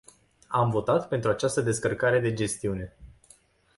Am votat pentru această descărcare de gestiune.